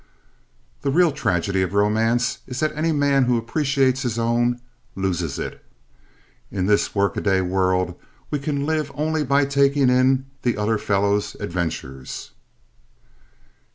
The real tragedy of romance is that any man who appreciates his own loses it. In this workaday world we can live only by taking in the other fellow's adventures.